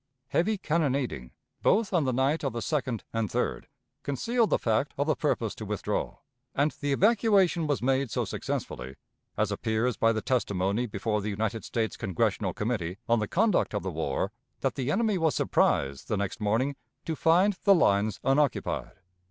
Heavy cannonading, both on the night of the 2d and 3d, concealed the fact of the purpose to withdraw, and the evacuation was made so successfully, as appears by the testimony before the United States Congressional Committee on the Conduct of the War, that the enemy was surprised the next morning to find the lines unoccupied.